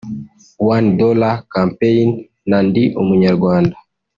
One Dollar Campaign na Ndi Umunyarwanda